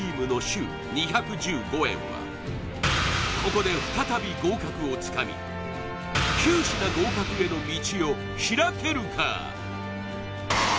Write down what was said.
ここで再び合格をつかみ９品合格への道を開けるか？